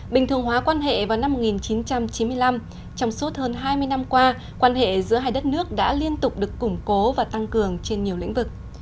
bình thường hóa quan hệ vào năm một nghìn chín trăm chín mươi năm trong suốt hơn hai mươi năm qua quan hệ giữa hai đất nước đã liên tục được củng cố và tăng cường trên nhiều lĩnh vực